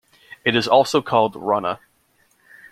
It is also called Rana.